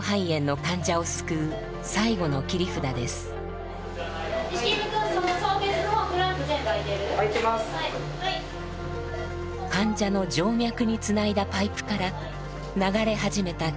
患者の静脈につないだパイプから流れ始めた血液。